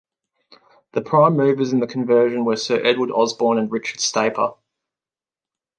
The prime movers in the conversion were Sir Edward Osborne and Richard Staper.